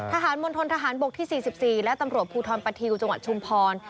มณฑนทหารบกที่๔๔และตำรวจภูทรปะทิวจังหวัดชุมพร